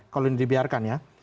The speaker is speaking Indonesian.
kalau ini dibiarkan ya